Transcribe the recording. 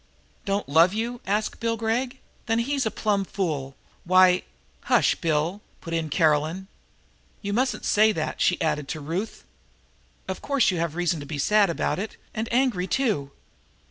"Don't love you?" asked Bill Gregg. "Then he's a plumb fool. Why " "Hush, Bill," put in Caroline. "You mustn't say that," she added to Ruth. "Of course you have reason to be sad about it and angry, too."